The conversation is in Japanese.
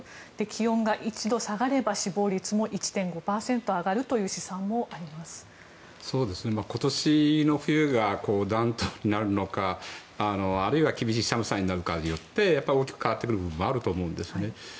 気温が１度下がれば死亡率も１．５％上がるという今年の冬が暖冬になるのか、あるいは厳しい寒さになるかによって大きく変わってくる部分もあると思うんですね。